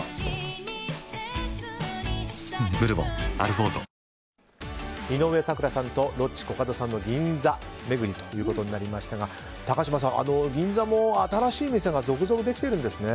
サントリー「ＶＡＲＯＮ」井上咲楽さんとロッチ、コカドさんの銀座巡りということになりましたが高嶋さん、銀座も新しい店が続々できてるんですね。